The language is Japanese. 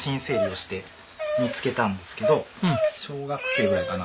小学生ぐらいかな